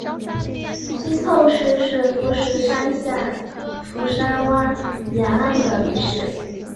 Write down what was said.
新凑市是富山县富山湾沿岸的一市。